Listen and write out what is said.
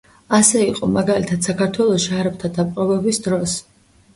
ასე იყო, მაგალითად საქართველოში არაბთა დაპყრობების დროს.